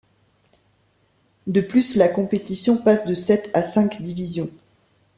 De plus, la compétition passe de sept à cinq divisions.